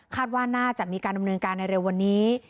ว่าน่าจะมีการดำเนินการในเร็ววันนี้